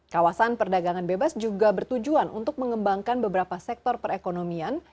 kawasan perdagangan bebas juga bertujuan untuk mengembangkan beberapa sektor perekonomian